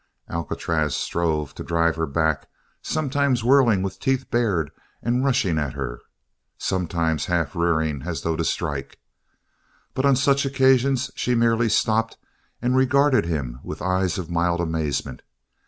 Alcatraz strove to drive her back, sometimes whirling with teeth bared and rushing at her, sometimes half rearing as though to strike. But on such occasions she merely stopped and regarded him with eyes of mild amazement.